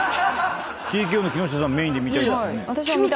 ＴＫＯの木下さんメインで見たいですよね。